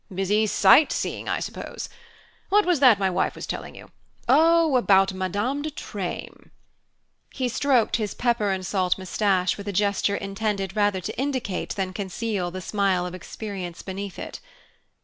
Busy sight seeing, I suppose? What was that my wife was telling you? Oh, about Madame de Treymes." He stroked his pepper and salt moustache with a gesture intended rather to indicate than conceal the smile of experience beneath it.